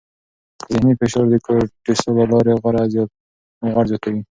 ذهني فشار د کورتیسول له لارې غوړ زیاتوي.